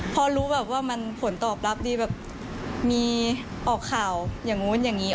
พอรู้แบบว่ามันผลตอบรับดีแบบมีออกข่าวอย่างนู้นอย่างนี้